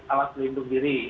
alat pelindung diri